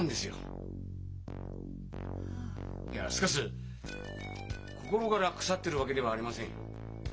いやしかし心から腐ってるわけではありませんよ。